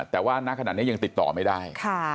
แต่ว่าณขณะนี้ยังติดต่อไม่ได้